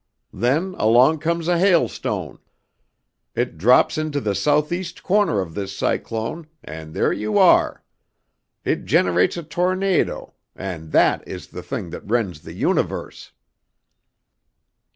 "Then along comes a hailstone. It drops into the southeast corner of this cyclone and there you are! It generates a tornado and That is the Thing that rends the Universe."